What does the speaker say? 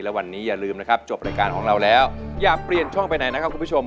และวันนี้อย่าลืมนะครับจบรายการของเราแล้วอย่าเปลี่ยนช่องไปไหนนะครับคุณผู้ชม